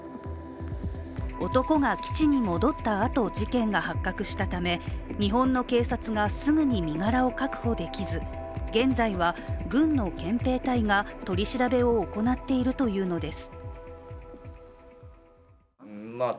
男が基地に戻ったあと、事件が発覚したため日本の警察がすぐに身柄を確保できず現在は、軍の憲兵隊が取り調べを行っているというのです。